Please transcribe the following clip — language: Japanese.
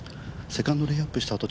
セカンド、レイアップしたあと、